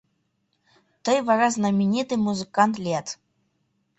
Тый вара знаменитый музыкант лият.